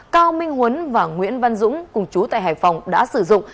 cao minh huấn và nguyễn văn dũng cùng chú tại hải phòng đã sử dụng